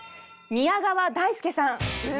宮川大輔さん？